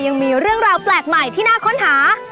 ยังมีเรื่องราวแปลกใหม่ที่น่าค้นหา